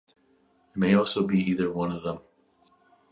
It may also be either one of them.